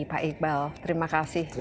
pak iqbal terima kasih